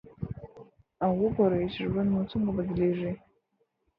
او وګورئ چې ژوند مو څنګه بدلیږي.